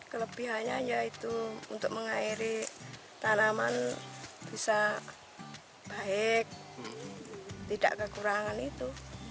kelebihannya yaitu untuk mengairi tanaman bisa baik tidak kekurangan itu